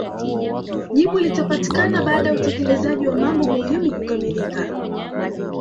Jibu litapatikana baada ya utekelezaji wa mambo muhimu kukamilka